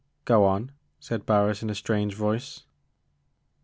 Go on,*' said Barris in a strange voice.